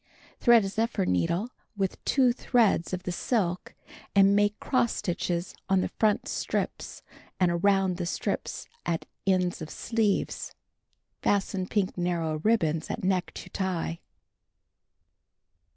Thread a zephyr needle with two threads of the silk, and make cross stitches on the front strips, and around the strips at ends of sleeves. Fasten pmk narrow ribbons at neck to tie.